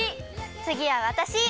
つぎはわたし！